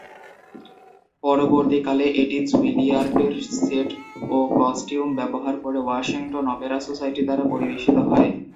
পরবর্তীকালে এটি জুইলিয়ার্ডের সেট ও কস্টিউম ব্যবহার করে ওয়াশিংটন অপেরা সোসাইটি দ্বারা পরিবেশিত হয়।